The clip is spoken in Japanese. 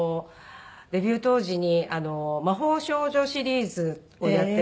デビュー当時に魔法少女シリーズをやってまして。